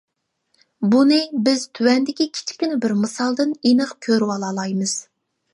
بۇنى بىز تۆۋەندىكى كىچىككىنە بىر مىسالدىن ئېنىق كۆرۈۋالالايمىز.